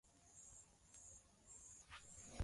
Anachukua nafasi ya Mkuu wa mkoa wa Mbeya